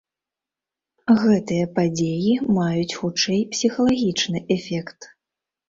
Гэтыя падзеі маюць хутчэй псіхалагічны эфект.